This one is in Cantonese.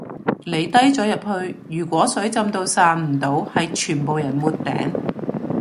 你低咗入去如果水浸到散唔到係全部人沒頂